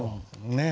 ねえ。